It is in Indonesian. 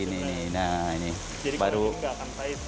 jadi kemungkinan nggak akan pahit